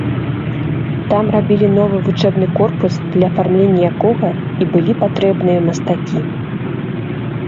Там рабілі новы вучэбны корпус, для афармлення якога і былі патрэбныя мастакі.